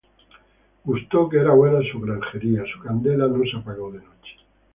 Gustó que era buena su granjería: Su candela no se apagó de noche.